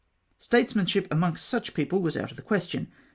Statesmanship amongst such people Avas out of the question.